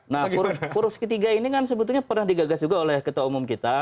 nah poros ketiga ini kan sebetulnya pernah digagas juga oleh ketua umum kita